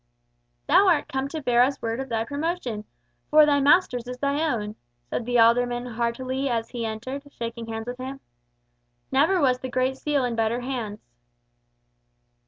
"Thou art come to bear us word of thy promotion—for thy master's is thine own," said the alderman heartily as he entered, shaking hands with him. "Never was the Great Seal in better hands."